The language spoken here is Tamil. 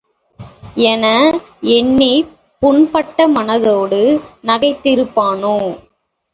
என எண்ணிப் புண்பட்ட மனத்தோடு நகைத் திருப்பானோ?